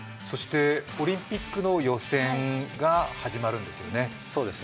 オリンピックの予選が始まるんですよね。